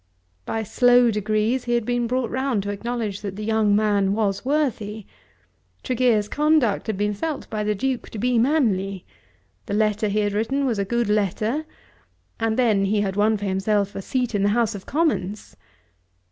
By slow degrees he had been brought round to acknowledge that the young man was worthy. Tregear's conduct had been felt by the Duke to be manly. The letter he had written was a good letter. And then he had won for himself a seat in the House of Commons.